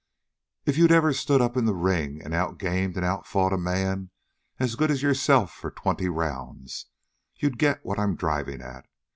"If you'd ever stood up in the ring an' out gamed an' out fought a man as good as yourself for twenty rounds, you'd get what I'm drivin' at.